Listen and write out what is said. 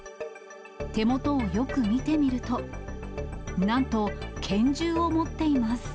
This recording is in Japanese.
手元をよく見てみると、なんと拳銃を持っています。